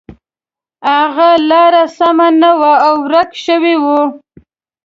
هغه لاره سمه نه وه او ورک شوی و.